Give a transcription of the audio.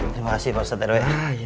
terima kasih pak ustadz erwin